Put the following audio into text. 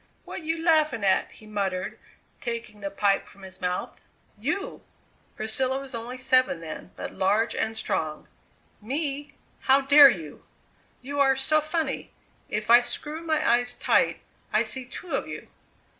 "What you laughing at?" he muttered, taking the pipe from his mouth. "You!" Priscilla was only seven then, but large and strong. "Me? How dare you!" "You are so funny. If I screw my eyes tight I see two of you."